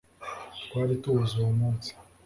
twari tuwuzi uwo munsi